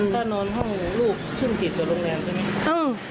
คุณก็นอนห้องลูกชื่นผิดกับโรงแรมใช่ไหม